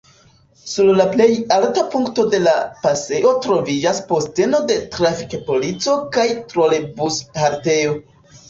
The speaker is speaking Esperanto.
Sur la plej alta punkto de la pasejo troviĝas posteno de trafik-polico kaj trolebus-haltejo.